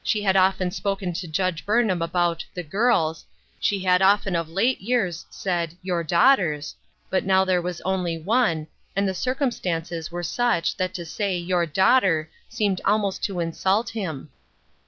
had often spoken to Judge Burnham about " the girls," she had often, of late years, said "your daughters," but now there was only one, and the circumstances were such that to say " your daughter " seemed almost to insult him.